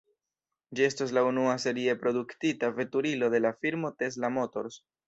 Ĝi estos la unua serie produktita veturilo de la firmo Tesla Motors.